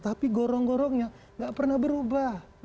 tapi gorong gorongnya nggak pernah berubah